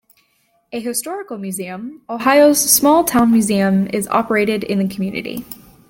A historical museum, Ohio's Small Town Museum, is operated in the community.